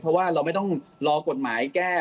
เพราะว่าเราไม่ต้องรอกฎหมายแก้